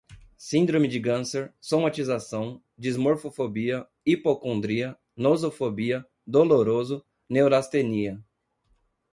síndrome de ganser, somatização, dismorfofobia, hipocondria, nosofobia, doloroso, neurastenia